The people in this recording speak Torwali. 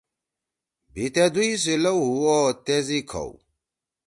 بھی تے دُوئی سی لؤ ہُو او تیس ئی کھؤ۔